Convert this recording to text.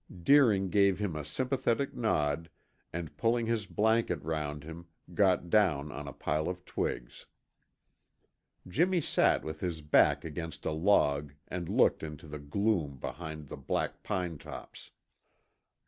Deering gave him a sympathetic nod, and pulling his blanket round him, got down on a pile of twigs. Jimmy sat with his back against a log and looked into the gloom behind the black pine tops.